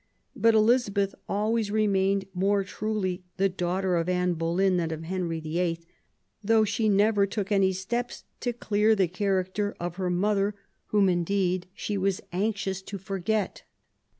But Elizabeth always remained more truly the daughter of Anne Boleyn than of Henry VIH., though she never took any steps to clear the character of her mother, whom indeed she was anxious to forget.